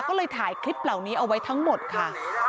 ก็เลยถ่ายคลิปเหล่านี้เอาไว้ทั้งหมดค่ะ